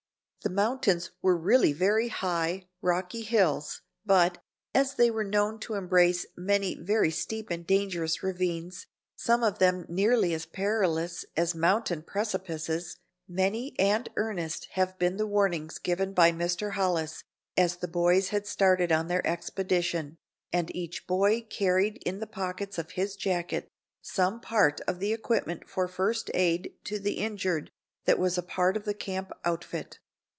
The "mountains" were really very high, rocky hills, but, as they were known to embrace many very steep and dangerous ravines, some of them nearly as perilous as mountain precipices, many and earnest had been the warnings given by Mr. Hollis as the boys had started on their expedition, and each boy carried in the pockets of his jacket some part of the equipment for first aid to the injured that was a part of the camp outfit.